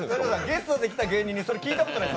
ゲストで来た芸人にそれ聞いたことない。